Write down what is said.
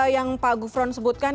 yang pak gufron sebutkan